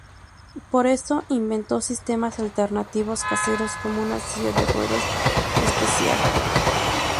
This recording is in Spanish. Por eso, inventó sistemas alternativos caseros como una silla de ruedas especial.